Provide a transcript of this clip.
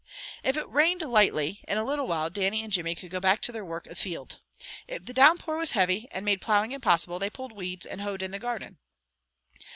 If it rained lightly, in a little while Dannie and Jimmy could go back to their work afield. If the downpour was heavy, and made plowing impossible, they pulled weeds, and hoed in the garden.